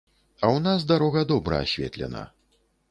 А ў нас дарога добра асветлена.